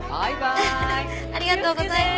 ありがとうございます。